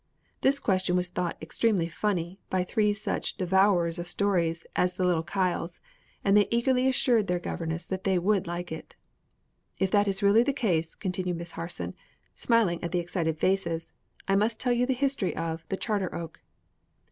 This question was thought extremely funny by three such devourers of stories as the little Kyles, and they eagerly assured their governess that they would like it. "If that is really the case," continued Miss Harson, smiling at the excited faces, "I must tell you the history of "THE CHARTER OAK.